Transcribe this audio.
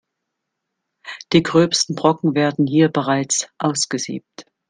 Die gröbsten Brocken werden hier bereits ausgesiebt.